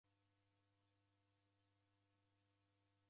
deka bana kedu